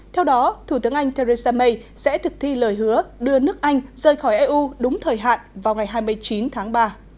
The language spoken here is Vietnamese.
theo đó thủ tướng anh theresa may sẽ thực thi lời hứa đưa nước anh rời khỏi eu đúng thời hạn vào ngày hai mươi chín tháng ba